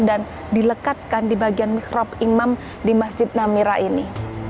dan dilekatkan di bagian mikrob imam di masjid namira ini